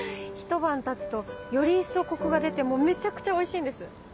ひと晩たつとより一層コクが出てもうめちゃくちゃおいしいんです！